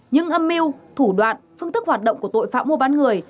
những âm mưu thủ đoạn phương thức hoạt động của tội phạm mua bán người